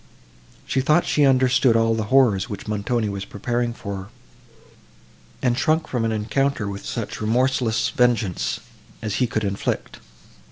She thought she understood all the horrors, which Montoni was preparing for her, and shrunk from an encounter with such remorseless vengeance, as he could inflict.